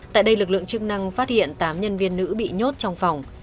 tại đây lực lượng chức năng phát hiện tám nhân viên nữ bị nhốt trong phòng